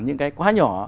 những cái quá nhỏ